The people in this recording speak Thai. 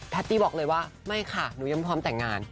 ตี้บอกเลยว่าไม่ค่ะหนูยังพร้อมแต่งงาน